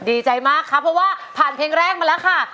ดีใจมากครับเพราะว่าผ่านเพลงแรกมาแล้วค่ะ